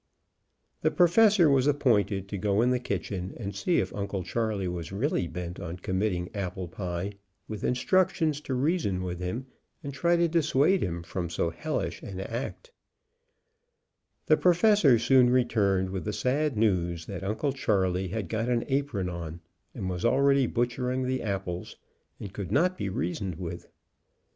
The Professor was appointed to go in the kitchen and. see if Uncle Charley was really bent on committing apple pie, with instructions to reason with him and try to dissuade him from so hellish an act The Professor soon returned with the sad news that Uncle Charley had got an apron on and was already butchering the apples, and could not be rea soned with.